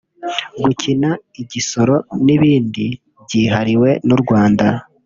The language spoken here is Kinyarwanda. gukina igisoro n’ibindi byihariwe n’u Rwanda